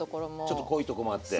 ちょっと濃いとこもあって。